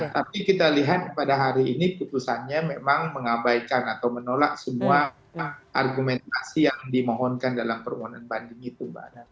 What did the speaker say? tapi kita lihat pada hari ini putusannya memang mengabaikan atau menolak semua argumentasi yang dimohonkan dalam permohonan banding itu